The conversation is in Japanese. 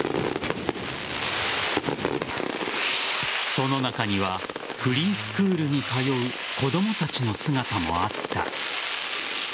その中にはフリースクールに通う子供たちの姿もあった。